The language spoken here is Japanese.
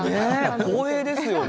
光栄ですよね。